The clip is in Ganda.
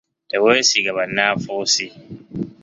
Teweesiga bannanfuusi.